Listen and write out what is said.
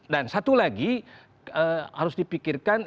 satu lagi harus dipikirkan